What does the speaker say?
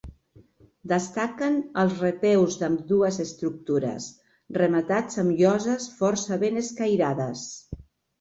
Destaquen els repeus d'ambdues estructures, rematats amb lloses força ben escairades.